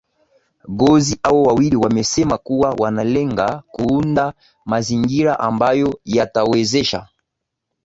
gozi hao wawili wamesema kuwa wanalenga kuunda mazingira ambayo yatawezesha